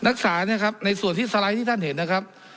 รักษานะครับในส่วนที่สไลด์ที่ท่านเห็นนะครับ